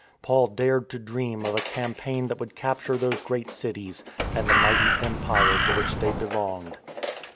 Paul dared to dream of a campaign that would capture those great cities — and the mighty empire to which they belonged.